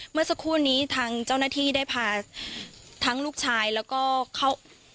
เมื่อสักครู่นี้ทางเจ้าหน้าที่ได้พาทั้งลูกชายแล้วก็เข้า